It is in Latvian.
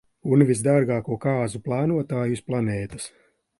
Un visdārgāko kāzu plānotāju uz planētas.